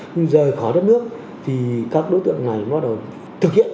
nhưng rời khỏi đất nước thì các đối tượng này bắt đầu thực hiện